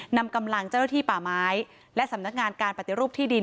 นำกำลังเจ้าหน้าที่ป่าไม้และสำนักงานการปฏิรูปที่ดิน